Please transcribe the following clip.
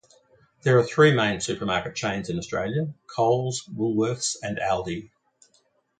There are three main supermarket chains in Australia - Coles, Woolworths and Aldi